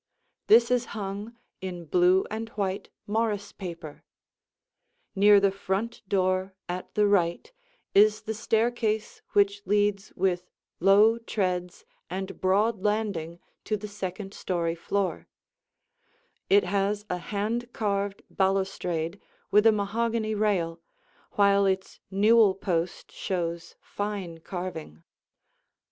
This is hung in blue and white Morris paper. Near the front door at the right is the staircase which leads with low treads and broad landing to the second story floor; it has a hand carved balustrade with a mahogany rail, while its newel post shows fine carving.